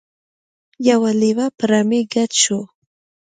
یو لیوه په رمې ګډ شو.